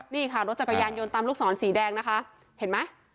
นี่ค่ะรถจักรยานยนต์ตามลูกศรสีแดงนะคะเห็นไหม